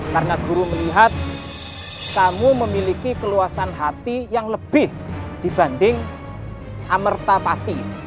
karena guru melihat kamu memiliki keluasan hati yang lebih dibanding amerta pati